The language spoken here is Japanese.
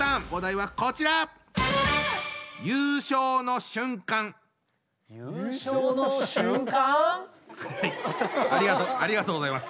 はいありがとうありがとうございます。